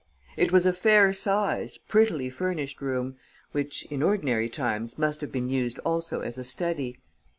It was a fair sized, prettily furnished room, which, in ordinary times, must have been used also as a study.